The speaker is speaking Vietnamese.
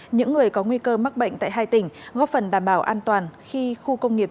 những người có nguy cơ mắc bệnh tại hai tỉnh góp phần đảm bảo an toàn khi khu công nghiệp